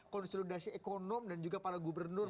konsolidasi ekonom dan juga para gubernur